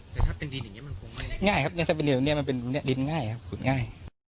แต่ถ้าเป็นดินอย่างนี้มันคงไม่ง่ายครับถ้าเป็นแนวนี้มันเป็นดินง่ายครับขุดง่าย